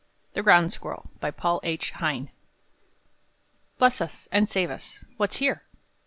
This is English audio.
THE GROUND SQUIRREL. By Paul H. Hayne. I. Bless us, and save us! What's here?